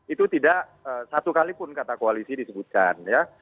itu tidak satu kalipun kata koalisi disebutkan ya